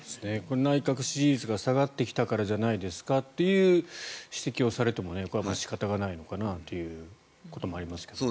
内閣支持率が下がってきたからじゃないですかという指摘をされてもこれは仕方がないのかなというところもありますが。